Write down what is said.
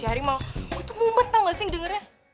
gue tuh mumpet tau gak sih dengernya